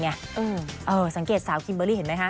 อ่ะสังเกตสาวคิมเบอรี่มัไหมคะ